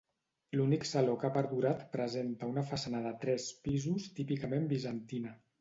L'únic saló que ha perdurat presenta una façana de tres pisos típicament bizantina.